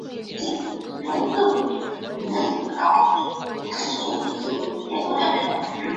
樱井宝螺为宝螺科宝螺属下的一个种。